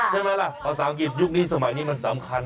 ใช่ไหมล่ะภาษาอังกฤษยุคนี้สมัยนี้มันสำคัญ